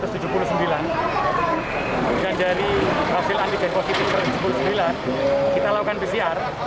dan dari hasil antigen positif satu ratus tujuh puluh sembilan kita lakukan pcr